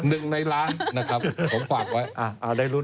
หนึ่งในล้านนะครับผมฝากไว้อ่าอ่าได้รุ้น